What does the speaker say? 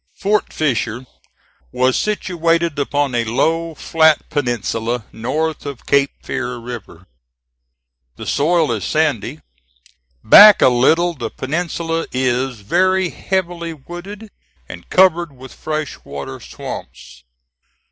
Fort Fisher was situated upon a low, flat peninsula north of Cape Fear River. The soil is sandy. Back a little the peninsula is very heavily wooded, and covered with fresh water swamps.